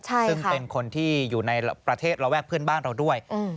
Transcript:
ซึ่งเป็นคนที่อยู่ในประเทศระแวกเพื่อนบ้านเราด้วย